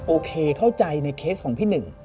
โอเคเข้าใจในเคสของพี่หนึ่ง